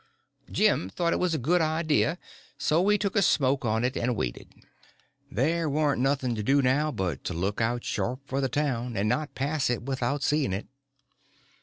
Jim thought it was a good idea, so we took a smoke on it and waited. There warn't nothing to do now but to look out sharp for the town, and not pass it without seeing it.